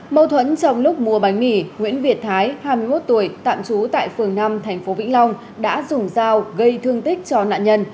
mâu thuẫn trong lúc mua bánh mì nguyễn việt thái hai mươi một tuổi tạm trú tại phường năm tp vĩnh long đã dùng dao gây thương tích cho nạn nhân